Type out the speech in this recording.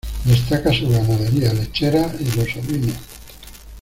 Destaca su ganadería lechera y los ovinos.